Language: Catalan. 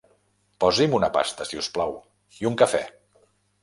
Posi'm una pasta, si us plau, i un cafè.